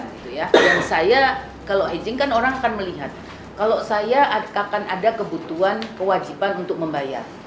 saya kalau aging kan orang akan melihat kalau saya akan ada kebutuhan kewajiban untuk membayar